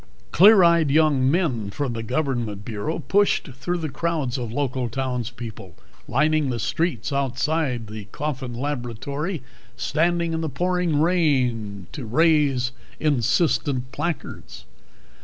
Clear eyed young men from the Government Bureau pushed through crowds of local townspeople, lining the streets outside the Coffin laboratory, standing in pouring rain to raise insistent placards.